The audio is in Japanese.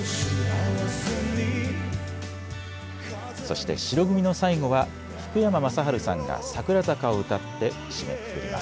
そして白組の最後は福山雅治さんが桜坂を歌って締めくくります。